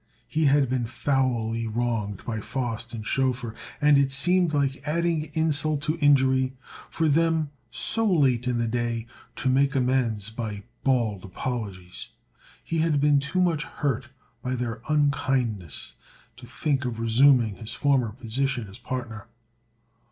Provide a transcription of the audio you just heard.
He had been foully wronged by Faust and Schoeffer, and it seemed like adding insult to injury for them so late in the day to make amends by bald apologies. He had been too much hurt by their unkindness to think of resuming his former position as partner.